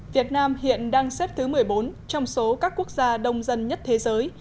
việt nam hiện đang xếp thứ một mươi bốn trong số các quốc gia đông dân nhất thế giới